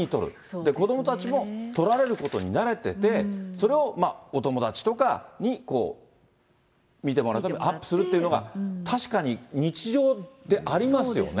で、子どもたちも撮られることに慣れてて、それをお友達とかに、見てもらうためにアップするというのが確かに日常でありますよね。